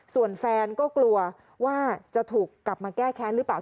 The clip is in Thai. ส่วนแฟนก็กลัวว่าจะถูกกลับมาแก้แค้นหรือเปล่า